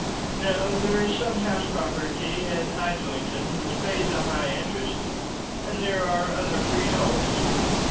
"No; there is some house property at Islington, which pays a high interest; and there are other freeholds."